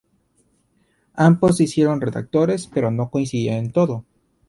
Ambos se hicieron redactores pero no coincidían en todo.